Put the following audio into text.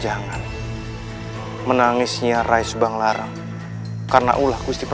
agar mereka jatuh malam findings her going filing